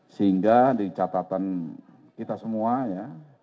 sehingga di catatan kita semua ya